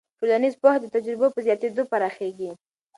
ټولنیز پوهه د تجربو په زیاتېدو پراخېږي.